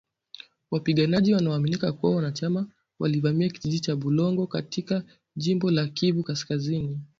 wapiganaji wanaoaminika kuwa wanachama walivamia kijiji cha Bulongo katika jimbo la Kivu kaskazini